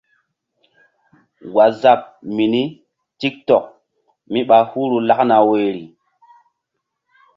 Waazap mini tik tok mí ɓa huru lakna woyri.